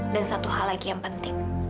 dan satu hal lagi yang penting